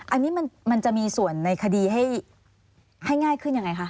อันนี้มันจะมีส่วนในคดีให้ง่ายขึ้นยังไงคะ